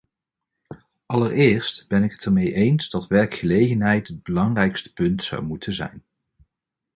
Allereerst ben ik het ermee eens dat werkgelegenheid het belangrijkste punt zou moeten zijn.